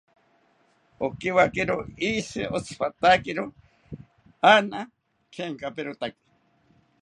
Okiwakiro ishi otzipatakiro ana, chengaperotaki